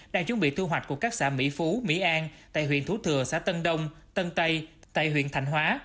đang chuẩn bị thu hoạch của các xã mỹ phú mỹ an tại huyện thú thừa xã tân đông tân tây tại huyện thành hóa